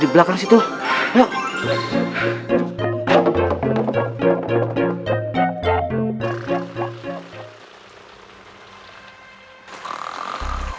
di belakang situ ayo